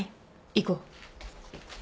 行こう。